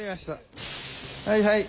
はいはい。